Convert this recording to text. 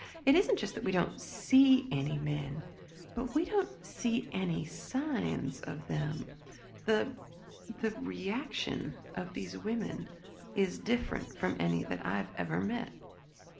"It isn't just that we don't see any men but we don't see any signs of them. The the reaction of these women is different from any that I've ever met."